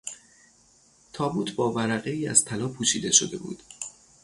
تابوت با ورقهای از طلا پوشیده شده بود.